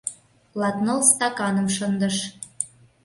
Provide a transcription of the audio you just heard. Латныл стаканым шындыш.